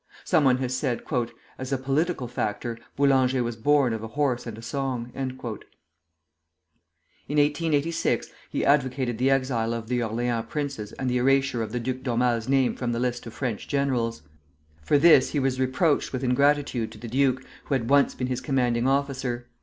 Some one has said, "As a political factor, Boulanger was born of a horse and a song." In 1886 he advocated the exile of the Orleans princes and the erasure of the Duc d'Aumale's name from the list of French generals. For this he was reproached with ingratitude to the duke, who had once been his commanding officer.